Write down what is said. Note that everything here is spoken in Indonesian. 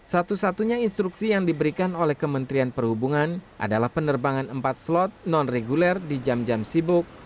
satu satunya instruksi yang diberikan oleh kementerian perhubungan adalah penerbangan empat slot non reguler di jam jam sibuk